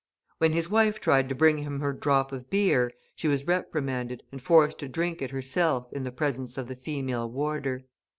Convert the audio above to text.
When his wife tried to bring him her drop of beer, she was reprimanded, and forced to drink it herself in the presence of the female warder.